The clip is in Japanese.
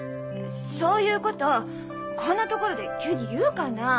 そういうことこんな所で急に言うかな。